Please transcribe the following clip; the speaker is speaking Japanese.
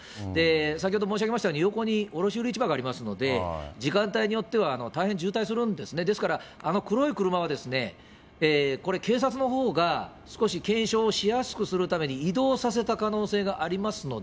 先ほど申し上げましたように、横に卸売市場がありますので、時間帯によっては大変渋滞するんですね、ですから、あの黒い車はですね、これ、警察のほうが少し検証しやすくするために、移動させた可能性がありますので。